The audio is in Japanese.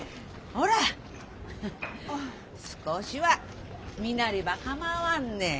ほら少しは身なりばかまわんね。